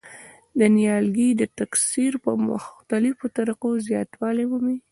دا نیالګي د تکثیر په مختلفو طریقو زیاتوالی مومي.